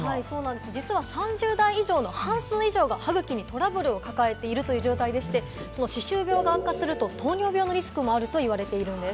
実は３０代以上の半数以上が歯ぐきにトラブルを抱えてるという状態でして、その歯周病が悪化すると糖尿病のリスクもあると言われてるんです。